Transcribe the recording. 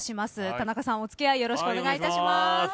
田中さん、お付き合いよろしくお願いします。